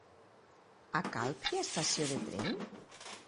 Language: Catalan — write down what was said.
A Calp hi ha estació de tren?